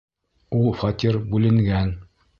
Ул фатир бүленгән!